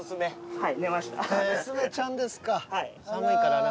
はい。